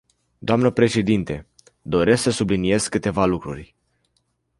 Dnă președintă, doresc să subliniez câteva lucruri.